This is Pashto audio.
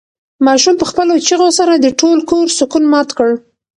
ماشوم په خپلو چیغو سره د ټول کور سکون مات کړ.